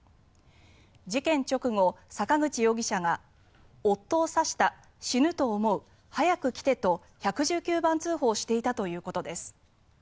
事件直後、坂口容疑者が夫を刺した死ぬと思う早く来てと１１９番通報していたということです。